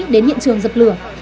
đến hiện trường giật lửa